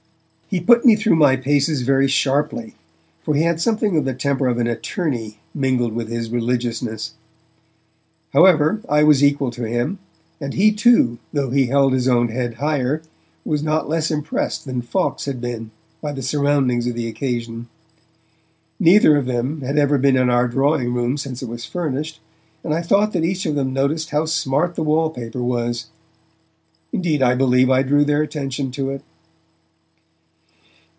He put me through my paces very sharply, for he had something of the temper of an attorney mingled with his religiousness. However, I was equal to him, and he, too, though he held his own head higher, was not less impressed than Fawkes had been, by the surroundings of the occasion. Neither of them had ever been in our drawing room since it was furnished, and I thought that each of them noticed how smart the wallpaper was. Indeed, I believe I drew their attention to it.